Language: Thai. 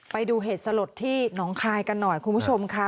ไปดูเหตุสลดที่หนองคายกันหน่อยคุณผู้ชมค่ะ